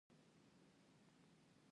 د توکو تولیدونکی په خپلواک ډول کار کوي